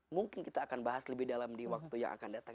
mungkin kita akan bahas lebih dalam di waktu yang akan datang